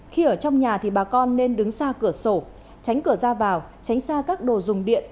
khi ở trong nhà thì bà con nên đứng xa cửa sổ tránh cửa ra vào tránh xa các đồ dùng điện